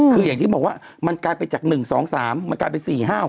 คืออย่างที่บอกว่ามันกลายเป็นจาก๑๒๓มันกลายเป็น๔๕๖